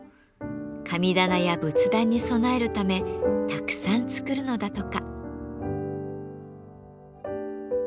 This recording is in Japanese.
神棚や仏壇に供えるためたくさん作るのだとか。